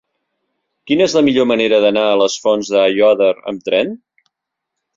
Quina és la millor manera d'anar a les Fonts d'Aiòder amb tren?